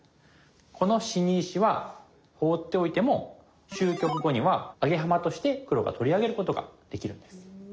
この死に石は放っておいても終局後にはアゲハマとして黒が取り上げることができるんです。